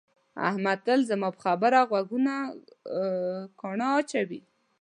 احمد تل زما پر خبره غوږونه ګاڼه اچوي.